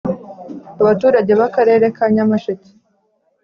Abaturage b’akarere ka Nyamasheke